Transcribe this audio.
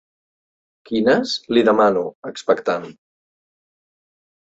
Quines? —li demano, expectant.